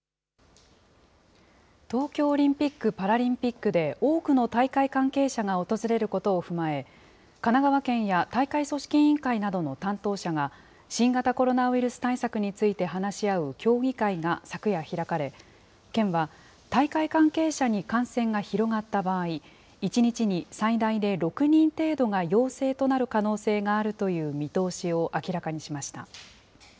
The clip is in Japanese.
東京オリンピック・パラリンピックで多くの大会関係者が訪れることを踏まえ、神奈川県や大会組織委員会などの担当者が、新型コロナウイルス対策について話し合う協議会が昨夜開かれ、県は、大会関係者に感染が広がった場合、１日に最大で６人程度が陽性となる可能性があるという見通しを明らかにしました。